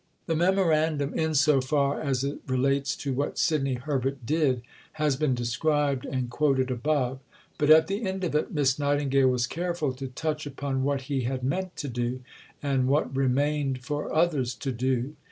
The Memorandum, in so far as it relates to what Sidney Herbert did, has been described and quoted above; but at the end of it, Miss Nightingale was careful to touch upon what he had meant to do and what remained for others to do.